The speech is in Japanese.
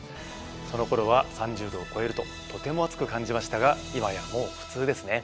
そのころは３０℃を超えるととても暑く感じましたが今やもう普通ですね。